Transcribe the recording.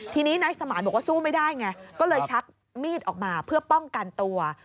ทีนี้นายสมานบอกว่าสู้ไม่ได้ไงก็เลยชักมีดออกมาเพื่อป้องกันตัว